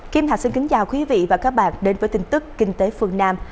kim thạch xin kính chào quý vị và các bạn đến với tin tức kinh tế phương nam